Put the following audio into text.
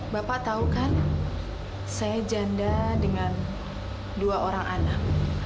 bapak tahu kan saya janda dengan dua orang anak